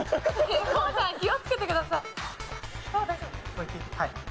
ＫＯＯさん気を付けてください。